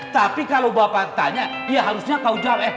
tapi kalau bapak tanya dia harusnya kau jawab